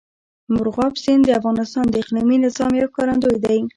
مورغاب سیند د افغانستان د اقلیمي نظام یو ښکارندوی دی.